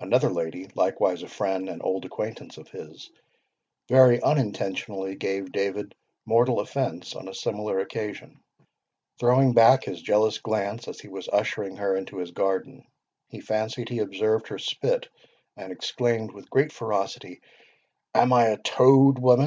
"Another lady, likewise a friend and old acquaintance of his, very unintentionally gave David mortal offence on a similar occasion. Throwing back his jealous glance as he was ushering her into his garden, he fancied he observed her spit, and exclaimed, with great ferocity, 'Am I a toad, woman!